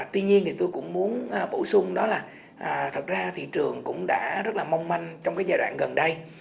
tuy nhiên thì tôi cũng muốn bổ sung đó là thật ra thị trường cũng đã rất là mong manh trong cái giai đoạn gần đây